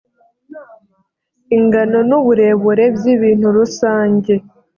ingano n’uburebure by’ibintu rusange